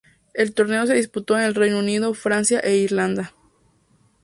El torneo se disputó en el Reino Unido, Francia e Irlanda.